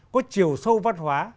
có chiều sâu văn hóa